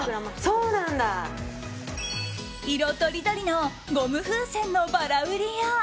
色とりどりのゴム風船のばら売りや。